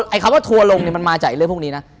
ไอ้คำว่าทัวลงมันมาใจเรื่องพวกนี้นะ